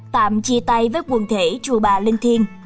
tạm chia tay với quần thể chùa bà linh thiên